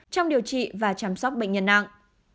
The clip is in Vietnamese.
trong điều trị và chăm sóc bệnh nhân nặng